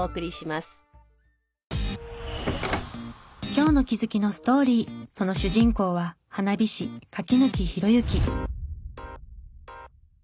今日の気づきのストーリーその主人公は花火師柿木博幸。